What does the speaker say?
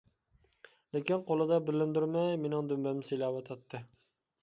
لېكىن قولىدا بىلىندۈرمەي مېنىڭ دۈمبەمنى سىلاۋاتاتتى.